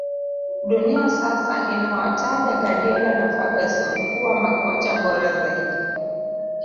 dunia inawataja guardiola na ferguson kuwa makocha bora zaidi